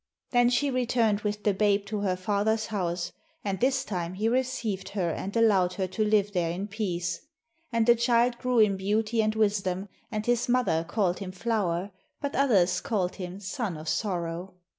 Then she returned with the babe to her father's house, and this time he received her and allowed her to live there in peace. And the child grew in beauty and wisdom, and his mother called him Flower, but others called him Son of Sorrow.